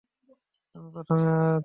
আমি প্রথমে যাচ্ছি।